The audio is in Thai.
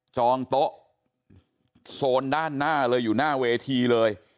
องโต๊ะโซนด้านหน้าเลยอยู่หน้าเวทีเลย